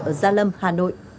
ở gia lâm hà nội